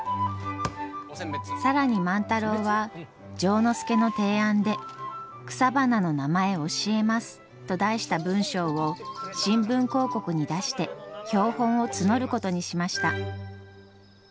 更に万太郎は丈之助の提案で「草花の名前教えます」と題した文章を新聞広告に出して標本を募ることにしました。